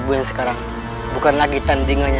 baiklah aku akan menang